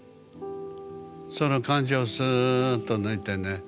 その感情をすっと抜いてね